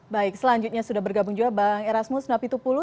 baik selanjutnya sudah bergabung juga bang erasmus napitupulu